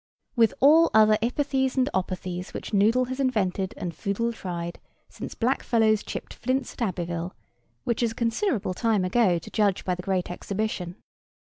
With all other ipathies and opathies which Noodle has invented, and Foodle tried, since black fellows chipped flints at Abbéville—which is a considerable time ago, to judge by the Great Exhibition.